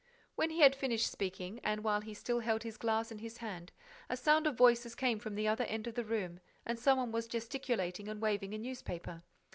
When he had finished speaking; and while he still held his glass in his hand, a sound of voices came from the other end of the room and some one was gesticulating and waving a newspaper.